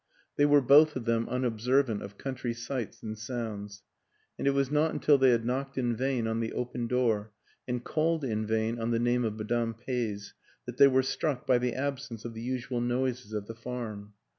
They were both of them unobservant of country sights and sounds, and it was not until they had knocked in vain on the open door and called in vain on the name of Madame Peys that they were struck by the absence of the usual noises of the farm.